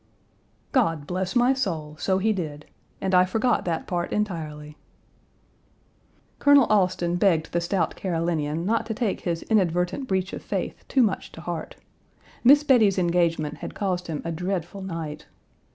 "God bless my soul, so he did. And I forgot that part entirely." Colonel Alston begged the stout Carolinian not to take Page 235 his inadvertent breach of faith too much to heart. Miss Bettie's engagement had caused him a dreadful night.